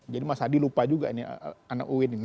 jadi mas hadi lupa juga ini anak uwin ini